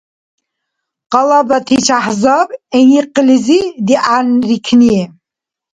Къалабати чяхӀ-заб. ГӀиникълизи дигӀянрикни.